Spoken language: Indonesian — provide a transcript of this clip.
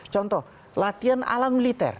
contoh latihan alam militer